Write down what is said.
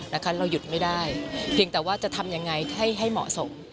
เราหยุดไม่ได้เพียงแต่ว่าจะทำยังไงให้เหมาะสม